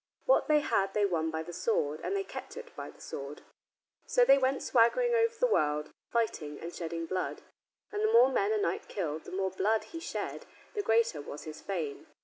What they had they had won by the sword, and they kept it by the sword. So they went swaggering over the world, fighting and shedding blood, and the more men a knight killed, the more blood he shed, the greater was his fame.